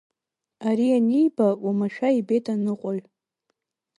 Ари аниба, уамашәа ибеит аныҟуаҩ.